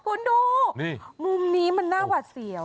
คุณดูมุมนี้มันน่าหวัดเสียว